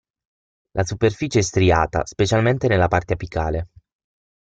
La superficie è striata specialmente nella parte apicale.